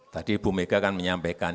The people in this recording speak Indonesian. tadi ibu mega kan menyampaikan